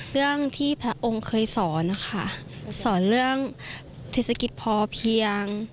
เรื่องที่พระองค์เคยสอนนะคะสอนเรื่องเศรษฐกิจพอเพียง